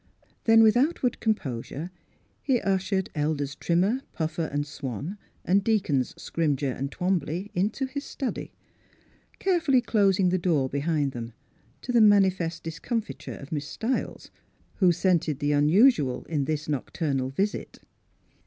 Then with outward composure he ushered Elders Trimmer, Puffer and Swan, and Deacons Scrimger and Twombly into his study, carefully closing the door be hind them, to the manifest discomfiture of Miss Stiles, who scented the unusual in this nocturnal visit.